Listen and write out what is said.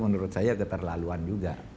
menurut saya keterlaluan juga